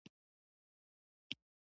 دې کې شک نشته چې خوږې وعدې زړه خپلوي.